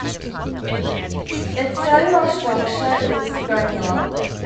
Its cellular structure is granular.